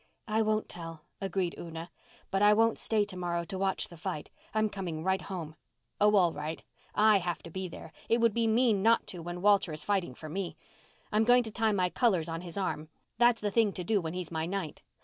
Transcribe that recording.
"I won't tell," agreed Una. "But I won't stay to morrow to watch the fight. I'm coming right home." "Oh, all right. I have to be there—it would be mean not to, when Walter is fighting for me. I'm going to tie my colours on his arm—that's the thing to do when he's my knight.